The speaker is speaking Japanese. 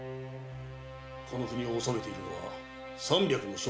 この国を治めているのは三百の諸大名である。